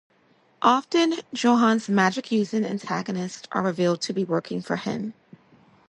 Often, Johan's magic-using antagonists are revealed to be working for him.